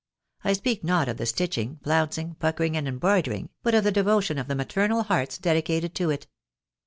— I speak not of the stitching, flouncing, puckering, and embroidering, but of the devotion of the maternal hearts dedicated to it.